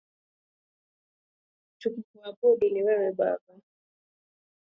Tukukuabudu ni wewe baba